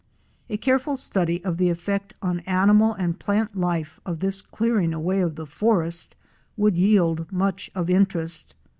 A careful study of the effect on animal and plant life of this clearing away of the forest would yield much of interest.